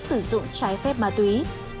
sử dụng trái phép ma túy